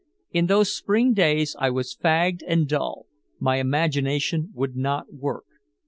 In those Spring days I was fagged and dull, my imagination would not work.